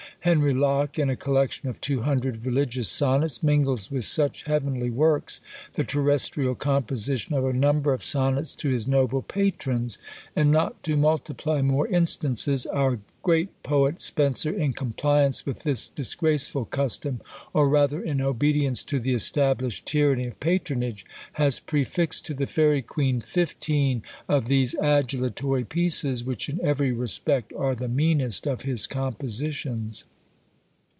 Henry Lock, in a collection of two hundred religious sonnets, mingles with such heavenly works the terrestrial composition of a number of sonnets to his noble patrons; and not to multiply more instances, our great poet Spenser, in compliance with this disgraceful custom, or rather in obedience to the established tyranny of patronage, has prefixed to the Faery Queen fifteen of these adulatory pieces, which in every respect are the meanest of his compositions.